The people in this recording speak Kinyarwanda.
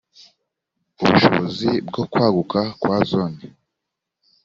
ubushobozi bwo kwaguka kwa zone